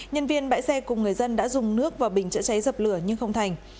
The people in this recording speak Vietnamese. nhân viên bãi xe cùng người dân đã dùng nước vào bình chữa cháy dập lửa nhưng không thành